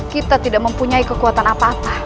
kita tidak mempunyai kekuatan apa apa